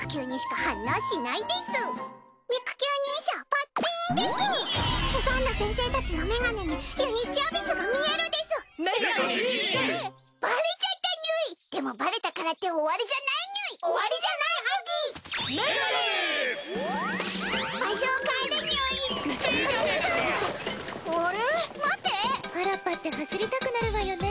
原っぱって走りたくなるわよね。